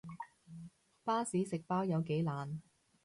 巴士食包有幾難